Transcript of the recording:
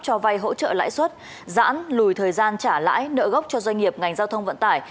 cho vay hỗ trợ lãi suất giãn lùi thời gian trả lãi nợ gốc cho doanh nghiệp ngành giao thông vận tải